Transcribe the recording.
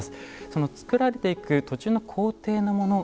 作られていく途中の工程のもの